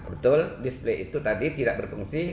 betul distrik itu tadi tidak berfungsi